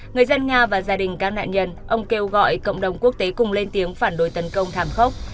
người dân nga và gia đình các nạn nhân ông kêu gọi cộng đồng quốc tế cùng lên tiếng phản đối tấn công thảm khốc